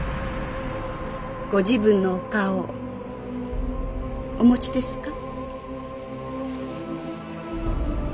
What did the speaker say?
ご自分のお顔お持ちですか？